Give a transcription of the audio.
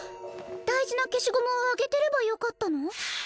大事な消しゴムをあげてればよかったの？